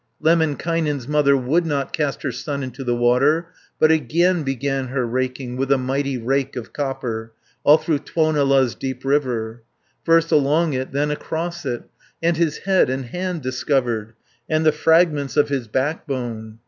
Lemminkainen's mother would not Cast her son into the water, But again began her raking, With the mighty rake of copper, All through Tuonela's deep river, First along it, then across it, 300 And his head and hand discovered, And the fragments of his backbone.